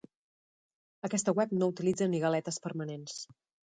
Aquesta web no utilitza ni galetes permanents.